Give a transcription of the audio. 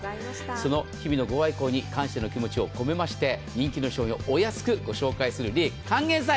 その日々のご愛顧に感謝の気持ちを込めまして人気の商品をお安く紹介する還元祭。